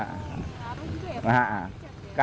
harus juga ya pengawet nge cet ya